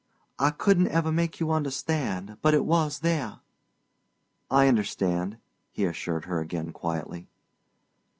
I couldn't ever make you understand but it was there." "I understand," he assured her again quietly.